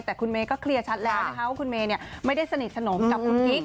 แต่คุณเมย์ก็เคลียร์ชัดแล้วนะคะว่าคุณเมย์ไม่ได้สนิทสนมกับคุณกิ๊ก